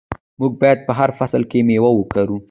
موږ باید په هر فصل کې میوه وکرو.